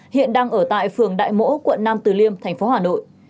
hiện đang ở tại phường đại mỗ quận nam từ liêm thành phố hà nội